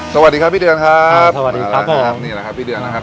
สวัสดีครับพี่เดือนครับสวัสดีครับผมนี่แหละครับพี่เดือนนะครับ